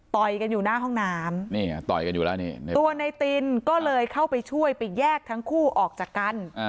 ต่อยกันอยู่หน้าห้องน้ำตัวในตีนก็เลยเข้าไปช่วยไปแยกทั้งคู่ออกจากกัน